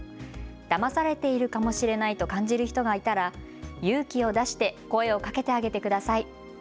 だまされているかもしれないと感じる人がいたら勇気を出して声をかけてあげてください。